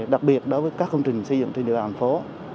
đặc biệt đối với các công trình xây dựng trên địa bàn thành phố